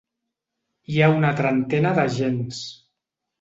Hi ha una trentena d’agents.